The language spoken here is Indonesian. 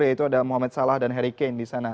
yaitu ada muhammad salah dan harry kane di sana